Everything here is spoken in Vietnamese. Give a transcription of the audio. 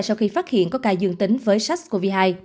sau khi phát hiện có ca dương tính với sars cov hai